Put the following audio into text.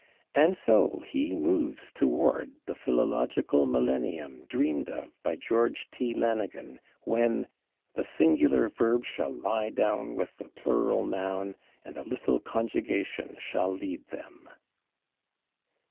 And so he moves toward the philological millennium dreamed of by George T. Lanigan, when "the singular verb shall lie down with the plural noun, and a little conjugation shall lead them."